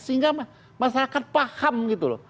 sehingga masyarakat paham gitu loh